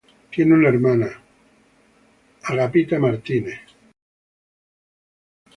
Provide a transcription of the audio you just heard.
Tiene una hermana, Morgan Marling.